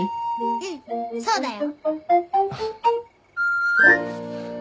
うんそうだよ。